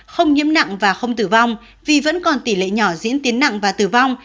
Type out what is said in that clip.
không nhiễm nặng và không tử vong vì vẫn còn tỷ lệ nhỏ diễn tiến nặng và tử vong